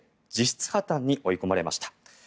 実質破たんに追い込まれました。